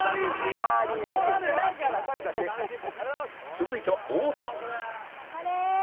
続いては太田